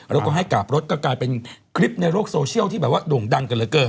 แล้วก็ให้กลับรถก็กลายเป็นคลิปในโลกโซเชียลที่แบบว่าโด่งดังกันเหลือเกิน